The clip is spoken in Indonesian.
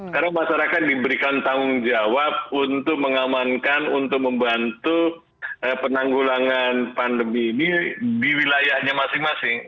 karena masyarakat diberikan tanggung jawab untuk mengamankan untuk membantu penanggulangan pandemi ini di wilayahnya masing masing